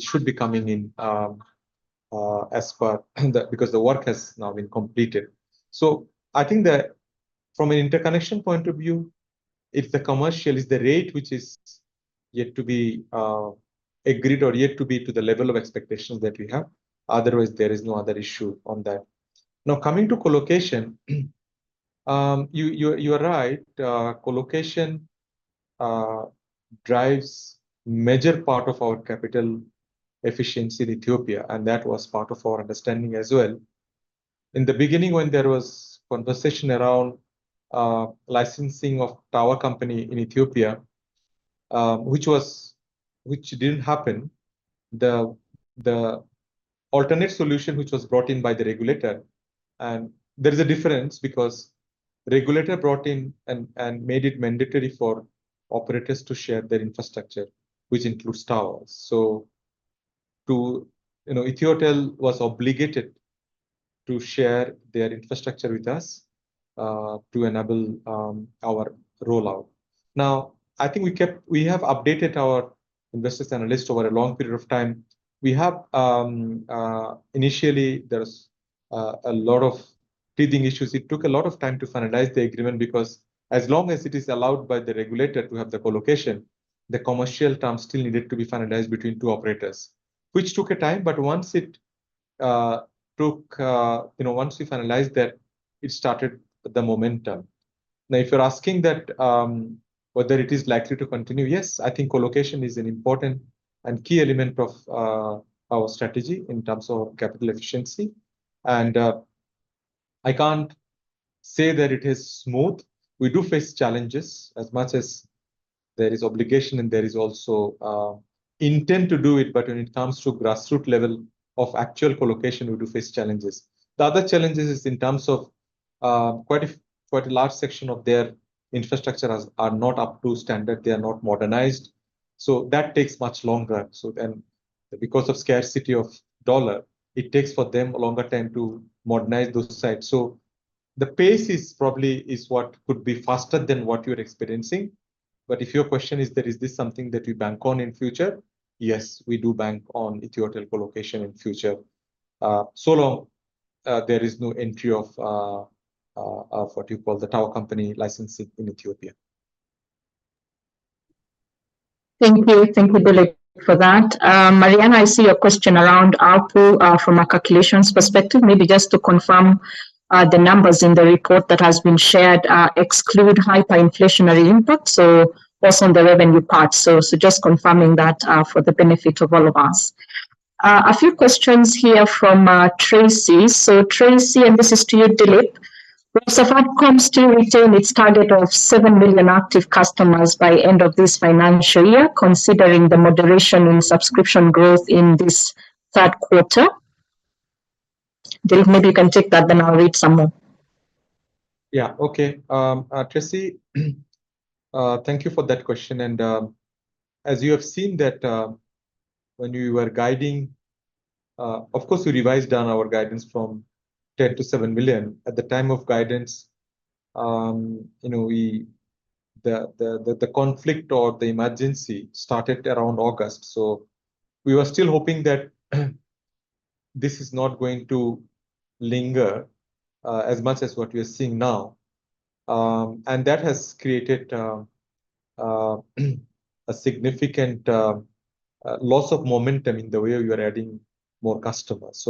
should be coming in, as per the because the work has now been completed. So I think that from an interconnection point of view, if the commercial is the rate which is yet to be agreed or yet to be to the level of expectations that we have, otherwise there is no other issue on that. Now, coming to co-location. You are right. Co-location drives major part of our capital efficiency in Ethiopia, and that was part of our understanding as well. In the beginning, when there was conversation around licensing of tower company in Ethiopia, which didn't happen, the alternate solution, which was brought in by the regulator. There is a difference because regulator brought in and made it mandatory for operators to share their infrastructure, which includes towers. You know, Ethio Telecom was obligated to share their infrastructure with us to enable our rollout. Now, I think we have updated our investors and analysts over a long period of time. We have initially there was a lot of teething issues. It took a lot of time to finalize the agreement because as long as it is allowed by the regulator to have the co-location, the commercial terms still needed to be finalized between two operators, which took a time, but once we finalized that, it started the momentum. Now, if you're asking that, whether it is likely to continue, yes, I think colocation is an important and key element of our strategy in terms of capital efficiency. I can't say that it is smooth. We do face challenges as much as there is obligation, and there is also intent to do it, but when it comes to grassroots level of actual colocation, we do face challenges. The other challenges is in terms of quite a large section of their infrastructure are not up to standard, they are not modernized, so that takes much longer. So then, because of scarcity of dollar, it takes for them a longer time to modernize those sites. The pace is probably what could be faster than what you're experiencing. But if your question is that, is this something that we bank on in future? Yes, we do bank on Ethio Telecom co-location in future. So long, there is no entry of, what you call the tower company licensing in Ethiopia. Thank you. Thank you, Dilip, for that. Mariana, I see a question around ARPU from a calculations perspective. Maybe just to confirm the numbers in the report that has been shared exclude hyperinflationary input, so that's on the revenue part. So just confirming that for the benefit of all of us. A few questions here from Tracy. So Tracy, and this is to you, Dilip. Will Safaricom still retain its target of 7 million active customers by end of this financial year, considering the moderation in subscription growth in this third quarter? Dilip, maybe you can take that, then I'll read some more. Yeah. Okay. Tracy, thank you for that question, and, as you have seen that, when we were guiding... Of course, we revised down our guidance from 10 to 7 million. At the time of guidance, you know, we-- the conflict or the emergency started around August. So we were still hoping that, this is not going to linger, as much as what we are seeing now. And that has created, a significant, loss of momentum in the way we are adding more customers.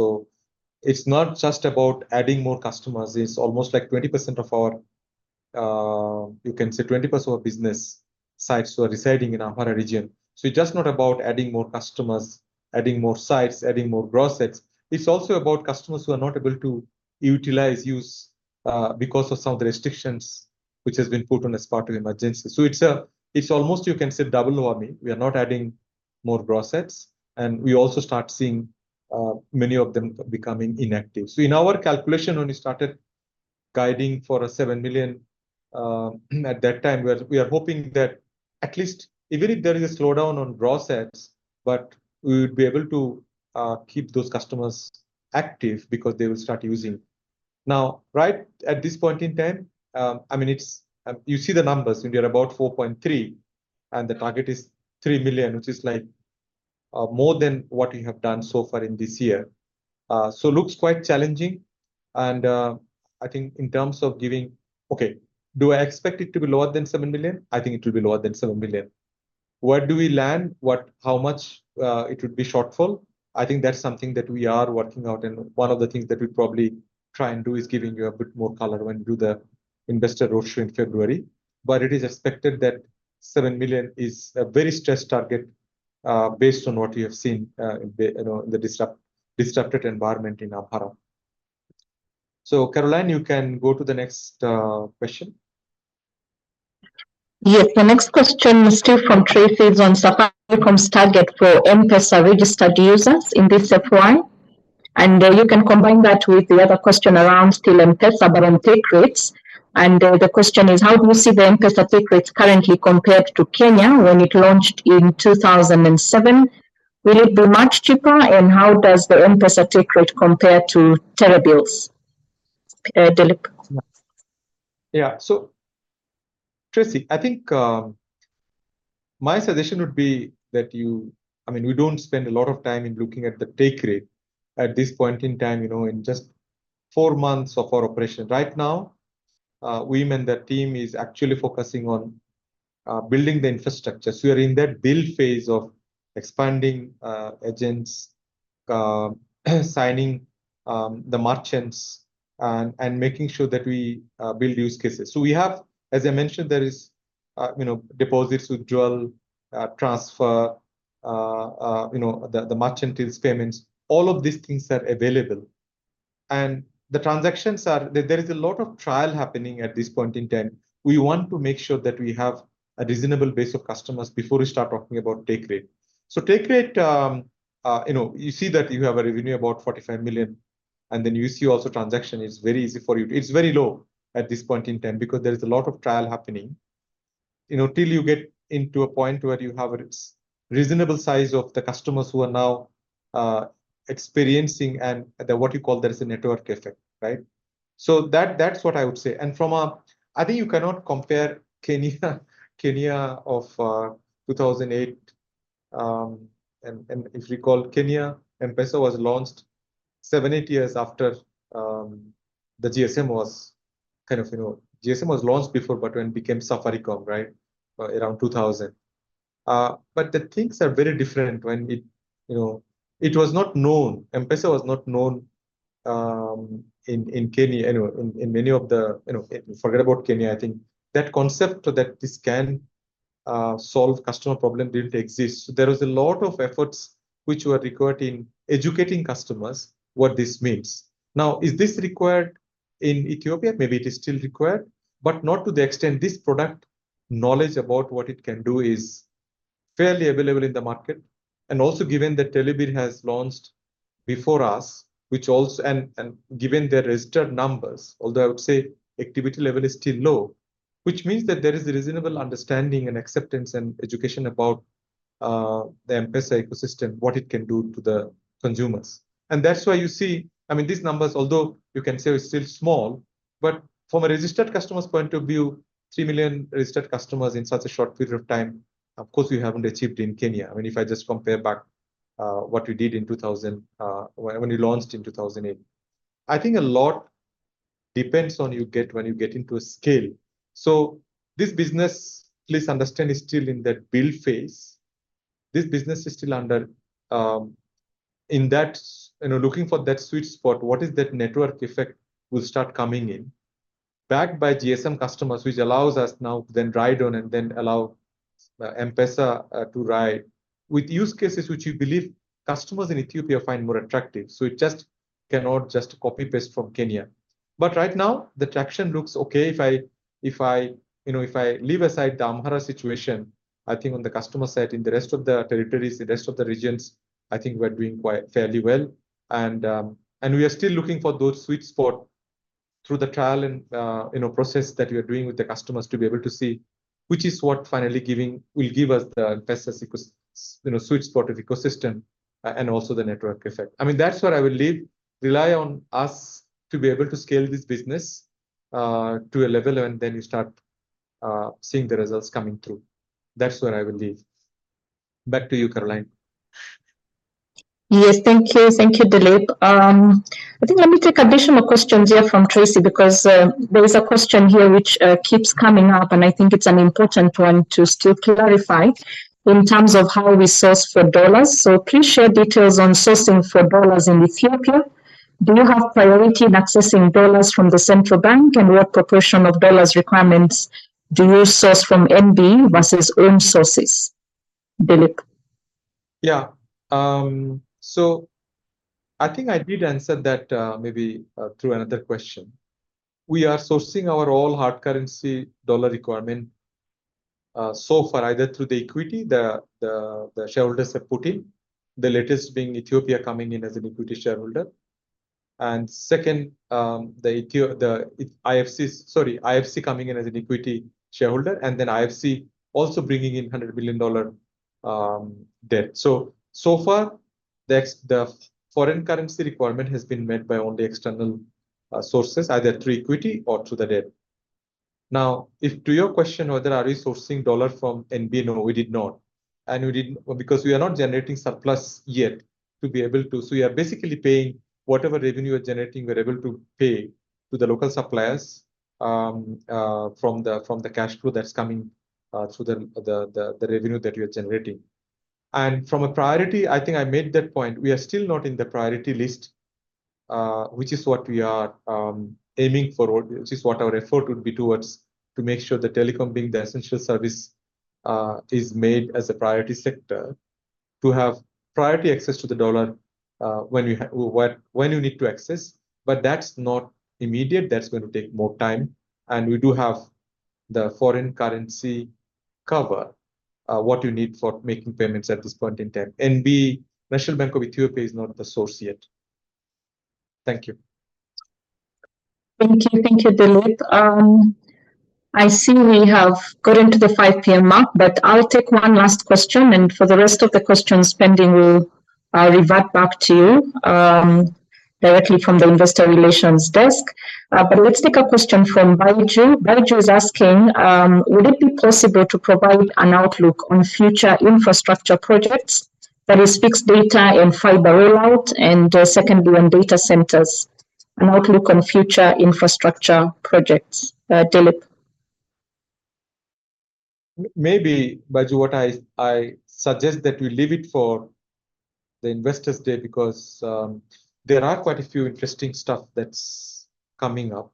So it's not just about adding more customers. It's almost like 20% of our, you can say 20% of business sites were residing in Amhara region. So it's just not about adding more customers, adding more sites, adding more gross adds. It's also about customers who are not able to utilize use because of some of the restrictions which has been put on as part of the emergency. So it's a. It's almost, you can say, double whammy. We are not adding more gross adds, and we also start seeing many of them becoming inactive. So in our calculation, when we started guiding for a 7 million, at that time, we are, we are hoping that at least even if there is a slowdown on gross adds, but we would be able to keep those customers active because they will start using. Now, right at this point in time, I mean, it's you see the numbers, and we are about 4.3, and the target is 3 million, which is like more than what we have done so far in this year. So looks quite challenging, and I think in terms of giving... Okay, do I expect it to be lower than 7 million? I think it will be lower than 7 million. Where do we land? What-- How much it would be shortfall? I think that's something that we are working out, and one of the things that we'll probably try and do is giving you a bit more color when we do the investor roadshow in February. But it is expected that 7 million is a very stressed target, based on what we have seen, in the, you know, the disrupted environment in Amhara. So, Caroline, you can go to the next question. Yes, the next question is still from Tracy. It's on Safaricom's target for M-PESA registered users in this FY. And, you can combine that with the other question around still M-PESA, but on take rates. And, the question is: How do you see the M-PESA take rates currently compared to Kenya when it launched in 2007? Will it be much cheaper, and how does the M-PESA take rate compare to Telebirr's, Dilip? Yeah. So Tracy, I think, my suggestion would be that you, I mean, we don't spend a lot of time in looking at the take rate at this point in time, you know, in just four months of our operation. Right now, we mean the team is actually focusing on building the infrastructure. So we are in that build phase of expanding agents, signing the merchants and making sure that we build use cases. So we have, as I mentioned, there is, you know, deposits, withdrawal, transfer, you know, the merchant's payments. All of these things are available. And the transactions are... There is a lot of trial happening at this point in time. We want to make sure that we have a reasonable base of customers before we start talking about take rate. So take rate, you know, you see that you have a revenue about 45 million, and then you see also transaction is very easy for you. It's very low at this point in time because there is a lot of trial happening. You know, till you get into a point where you have a reasonable size of the customers who are now experiencing and, the what you call, there is a network effect, right? So that, that's what I would say. And from a... I think you cannot compare Kenya, Kenya of 2008. And if you recall, Kenya, M-PESA was launched 7-8 years after the GSM was kind of, you know... GSM was launched before, but when it became Safaricom, right? Around 2000. But the things are very different when it, you know, it was not known. M-PESA was not known, in Kenya anyway. You know, forget about Kenya, I think that concept that this can solve customer problem didn't exist. There was a lot of efforts which were required in educating customers what this means. Now, is this required in Ethiopia? Maybe it is still required, but not to the extent. This product knowledge about what it can do is fairly available in the market, and also given that Telebirr has launched before us, which also... and given the registered numbers, although I would say activity level is still low, which means that there is a reasonable understanding and acceptance and education about the M-PESA ecosystem, what it can do to the consumers. And that's why you see, I mean, these numbers, although you can say it's still small, but from a registered customer's point of view, 3 million registered customers in such a short period of time, of course, we haven't achieved in Kenya. I mean, if I just compare back, what we did in 2000, when we launched in 2008. I think a lot depends on when you get into a scale. So this business, please understand, is still in that build phase. This business is still under, in that, you know, looking for that sweet spot, what is that network effect will start coming in, backed by GSM customers, which allows us now to then ride on and then allow, M-PESA, to ride with use cases which you believe customers in Ethiopia find more attractive. So it just cannot just copy-paste from Kenya. But right now, the traction looks okay. If I, you know, if I leave aside the Amhara situation, I think on the customer side, in the rest of the territories, the rest of the regions, I think we're doing quite fairly well. And we are still looking for those sweet spot through the trial and, you know, process that we are doing with the customers to be able to see which is what finally giving... will give us the best ecosystems, you know, sweet spot of ecosystem, and also the network effect. I mean, that's where I will leave, rely on us to be able to scale this business, to a level, and then you start, seeing the results coming through. That's where I will leave. Back to you, Caroline. Yes. Thank you. Thank you, Dilip. I think let me take additional questions here from Tracy, because there is a question here which keeps coming up, and I think it's an important one to still clarify in terms of how we source for dollars. So please share details on sourcing for dollars in Ethiopia. Do you have priority in accessing dollars from the central bank? And what proportion of dollars requirements do you source from NB versus own sources? Dilip. Yeah. So I think I did answer that, maybe, through another question. We are sourcing our all hard currency dollar requirement, so far, either through the equity the shareholders have put in, the latest being Ethiopia coming in as an equity shareholder. And second, the IFC... Sorry, IFC coming in as an equity shareholder, and then IFC also bringing in $100 billion dollar debt. So, so far, the foreign currency requirement has been met by only external sources, either through equity or through the debt. Now, if to your question, whether are we sourcing dollar from NB? No, we did not, and we didn't, because we are not generating surplus yet to be able to. So we are basically paying, whatever revenue we're generating, we're able to pay to the local suppliers, from the cash flow that's coming through the revenue that we are generating. And from a priority, I think I made that point. We are still not in the priority list, which is what we are aiming for, which is what our effort would be towards, to make sure the telecom being the essential service is made as a priority sector to have priority access to the dollar, when you need to access. But that's not immediate. That's going to take more time, and we do have the foreign currency cover what you need for making payments at this point in time. NBE, National Bank of Ethiopia, is not the source yet. Thank you. Thank you. Thank you, Dilip. I see we have gotten to the 5:00 P.M. mark, but I'll take one last question, and for the rest of the questions pending, we'll revert back to you directly from the investor relations desk. But let's take a question from Baiju. Baiju is asking: Would it be possible to provide an outlook on future infrastructure projects, that is, fixed data and fiber rollout, and secondly, on data centers? An outlook on future infrastructure projects, Dilip. Maybe, Baiju, what I suggest that we leave it for the Investors' Day, because there are quite a few interesting stuff that's coming up.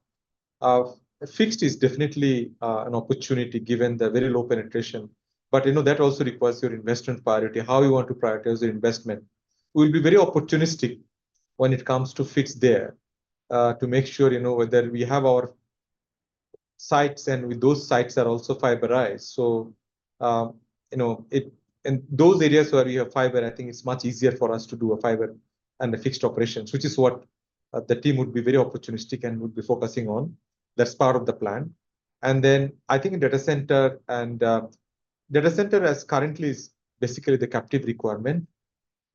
Fixed is definitely an opportunity, given the very low penetration, but, you know, that also requires your investment priority. How you want to prioritize your investment. We'll be very opportunistic when it comes to fixed line, to make sure, you know, whether we have our sites and with those sites are also fiberized. So, you know, in those areas where we have fiber, I think it's much easier for us to do a fiber and the fixed operations, which is what the team would be very opportunistic and would be focusing on. That's part of the plan. I think data center and data center as currently is basically the captive requirement,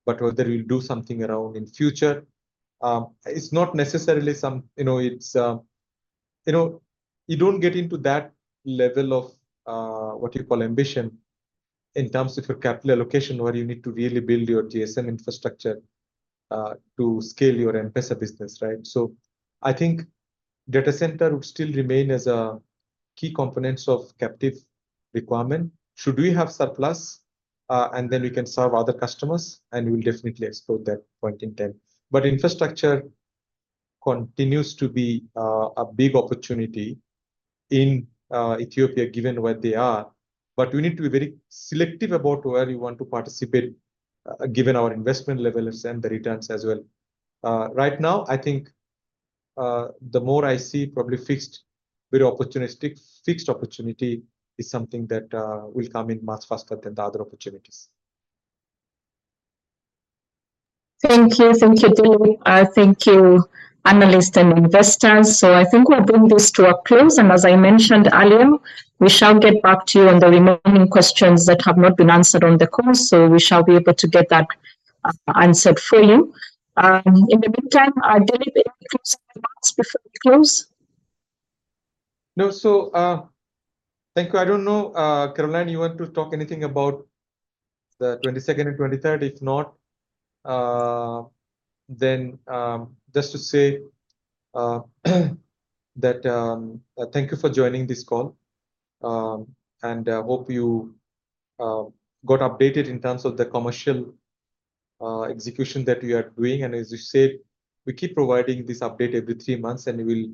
but whether we'll do something around in future, it's not necessarily some... You know, it's you know, you don't get into that level of what you call ambition in terms of your capital allocation, where you need to really build your GSM infrastructure to scale your M-PESA business, right? So I think data center would still remain as a key components of captive requirement. Should we have surplus, and then we can serve other customers, and we'll definitely explore that point in time. But infrastructure continues to be a big opportunity in Ethiopia, given where they are, but we need to be very selective about where we want to participate, given our investment levels and the returns as well. Right now, I think, the more I see probably fixed, very opportunistic, fixed opportunity is something that will come in much faster than the other opportunities. Thank you. Thank you, Dilip. Thank you, analyst and investors. So I think we're bringing this to a close, and as I mentioned earlier, we shall get back to you on the remaining questions that have not been answered on the call, so we shall be able to get that answered for you. In the meantime, Dilip, anything else before we close? No. So, thank you. I don't know, Caroline, you want to talk anything about the 2022 and 2023? If not, then just to say that thank you for joining this call. And hope you got updated in terms of the commercial execution that we are doing. And as you said, we keep providing this update every three months, and we'll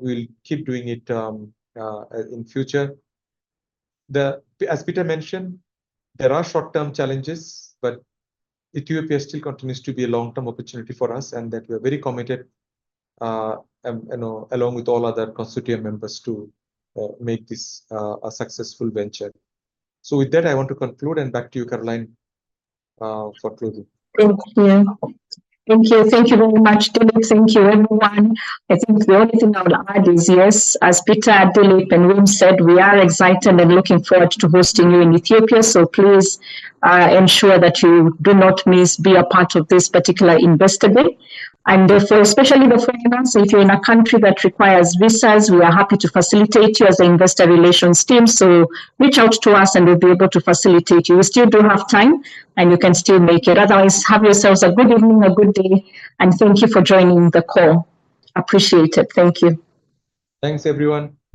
we'll keep doing it in future. As Peter mentioned, there are short-term challenges, but Ethiopia still continues to be a long-term opportunity for us, and that we are very committed, you know, you know, along with all other constituent members, to make this a successful venture. So with that, I want to conclude and back to you, Caroline, for closing. Thank you. Thank you. Thank you very much, Dilip. Thank you, everyone. I think the only thing I will add is, yes, as Peter, Dilip, and Wim said, we are excited and looking forward to hosting you in Ethiopia, so please, ensure that you do not miss being a part of this particular Investor Day. And therefore, especially the foreigners, if you're in a country that requires visas, we are happy to facilitate you as the investor relations team. So reach out to us, and we'll be able to facilitate you. You still do have time, and you can still make it. Otherwise, have yourselves a good evening, a good day, and thank you for joining the call. Appreciate it. Thank you. Thanks, everyone.